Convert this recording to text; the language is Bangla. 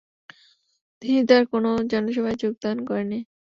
তিনি আর কোন জনসভায় যোগদান করেননি।